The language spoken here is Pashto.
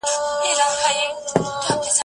زه له سهاره د کتابتون کتابونه لوستل کوم!.